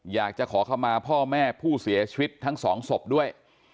อยากจะขอเข้ามาพ่อแม่ผู้เสียชีวิตทั้งสองศพด้วย